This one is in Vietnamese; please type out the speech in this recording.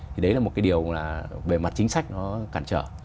thì đấy là một cái điều là về mặt chính sách nó cản trở